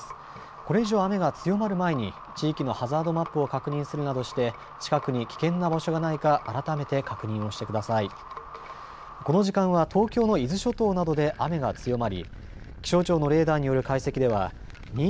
これ以上、雨が強まる前に地域のハザードマップを確認するなどして近くに危険な場所がないか改めて確認をしてください。